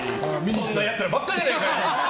そんなやつらばっかりじゃねえかよ！